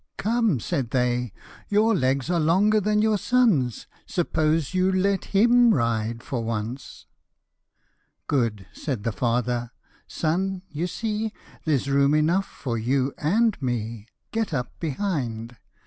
Come," said they, " Your legs are longer than your son's ; Suppose you let him ride for once." " Good," said the father ;" Son, you see There's room enough for you and me ; Get up behind."